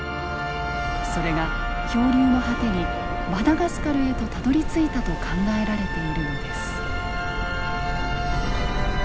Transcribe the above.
それが漂流の果てにマダガスカルへとたどりついたと考えられているのです。